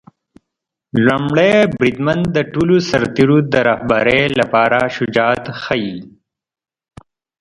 لومړی بریدمن د ټولو سرتیرو د رهبری لپاره شجاعت ښيي.